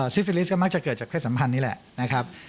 ฟิลิสก็มักจะเกิดจากเพศสัมพันธ์นี้แหละนะครับ